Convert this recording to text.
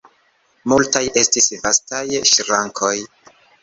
Multaj estis vastaj ŝrankoj.